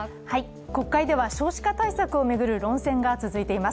国会では少子化対策を巡る論戦が続いています。